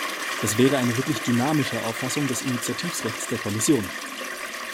Das wäre eine wirklich dynamische Auffassung des Initiativrechts der Kommission.